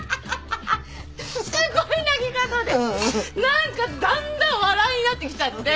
何かだんだん笑いになってきちゃって。